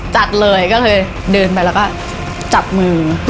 จัดเลยก็เลยเดินไปแล้วก็จับมือ